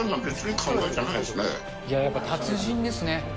いややっぱり、達人ですね。